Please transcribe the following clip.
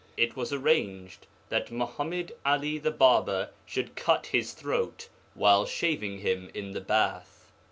'It was arranged that Muḥammad Ali the barber should cut his throat while shaving him in the bath.